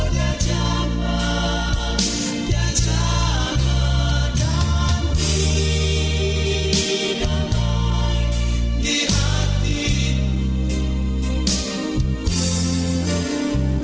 dia jaman dan hidup baik di hatiku